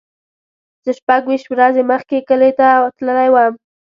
زه شپږ ویشت ورځې مخکې کلی ته تللی وم.